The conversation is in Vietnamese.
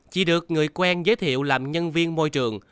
chỉ được người quen giới thiệu làm nhân viên môi trường